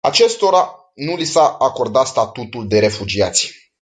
Acestora nu li s-a acordat statutul de refugiați.